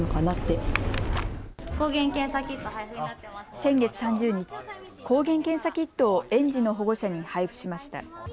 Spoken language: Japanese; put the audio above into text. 先月３０日、抗原検査キットを園児の保護者に配布しました。